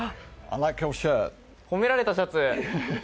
褒められたシャツ。